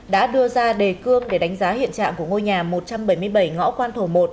đã đưa ra đề cương để đánh giá hiện trạng của ngôi nhà một trăm bảy mươi bảy ngõ quan thổ một